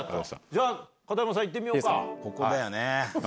じゃあ片山さん行ってみようか。